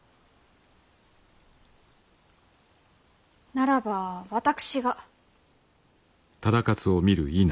ならば私が。